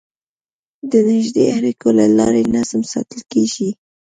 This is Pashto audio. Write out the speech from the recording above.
د نږدې اړیکو له لارې نظم ساتل کېږي.